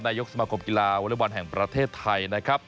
นายกสมาคมกีฬาวอเล็กบอลแห่งประเทศไทยนะครับ